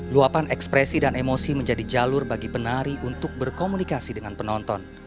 luapan ekspresi dan emosi menjadi jalur bagi penari untuk berkomunikasi dengan penonton